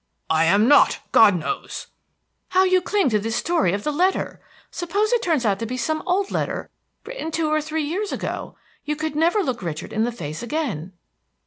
"I am not, God knows!" "How you cling to this story of the letter! Suppose it turns out to be some old letter, written two or three years ago? You could never look Richard in the face again."